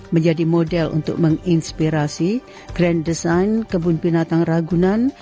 menjadi model untuk menginspirasi grand design kebun binatang ragunan